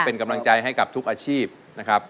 เป็นกำลังใจให้กับทุกอาชีพนะครับ